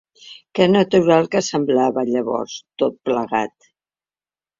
Que natural que semblava, llavors, tot plegat